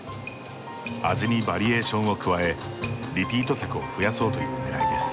味にバリエーションを加えリピート客を増やそうというねらいです。